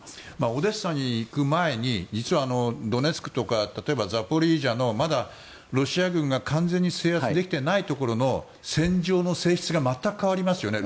オデッサに行く前に実はドネツクとかザポリージャのロシアが完全に制圧できていないところの戦場の性質が全く変わりますよね。